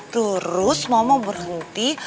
terus mama mau berhenti